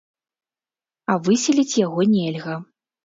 А выселіць яго нельга.